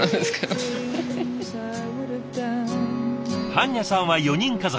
盤若さんは４人家族。